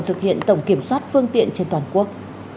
thực hiện tổng kiểm soát phương tiện trên toàn quốc